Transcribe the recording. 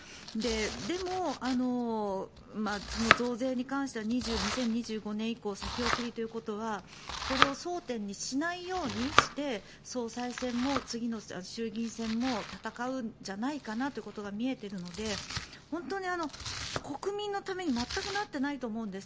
でも、増税に関しては２０２５年以降先送りということはこれを争点にしないようにして総裁選も次の衆議院選も戦うんじゃないかなということが見えているので本当に国民のために全くなっていないと思うんです。